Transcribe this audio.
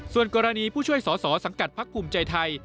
ส่วนกรณีผู้ช่วยสอสอสังกัดพักภูมิใจไทย